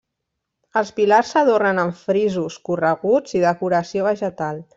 Els pilars s'adornen amb frisos correguts i decoració vegetal.